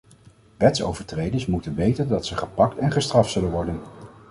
Wetsovertreders moeten weten dat ze gepakt en gestraft zullen worden.